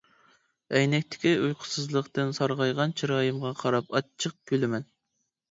ئەينەكتىكى ئۇيقۇسىزلىقتىن سارغايغان چىرايىمغا قاراپ، ئاچچىق كۈلىمەن.